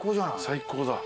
最高だ。